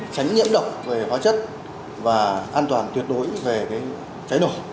tránh nhiễm độc về hóa chất và an toàn tuyệt đối về cháy nổ